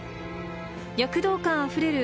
躍動感あふれる